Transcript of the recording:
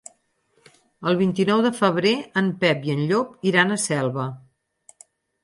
El vint-i-nou de febrer en Pep i en Llop iran a Selva.